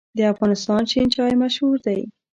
د افغانستان شین چای مشهور دی